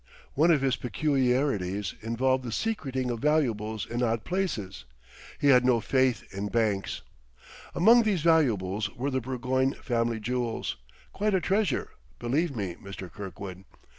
One of his peculiarities involved the secreting of valuables in odd places; he had no faith in banks. Among these valuables were the Burgoyne family jewels quite a treasure, believe me, Mr. Kirkwood.